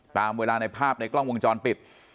ตามเวลาในภาพในกล้องวงจรปิด